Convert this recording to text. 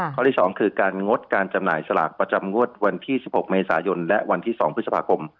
ข้อที่๒คือการงดการจำหน่ายสลากประจำงวดวันที่๑๖เมษายนและวันที่๒พฤษภาคม